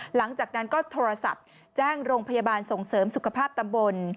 หลังจากนั้นก็โทรศัพท์แจ้งโรงพยาบาลส่งเสริมสุขภาพตำบล